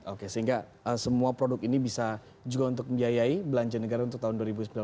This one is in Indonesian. oke sehingga semua produk ini bisa juga untuk membiayai belanja negara untuk tahun dua ribu sembilan belas dua ribu sembilan belas gitu ya